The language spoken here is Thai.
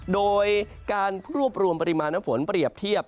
โดยการรวบรวมปริมาณน้ำฝนเปรียบเทียบ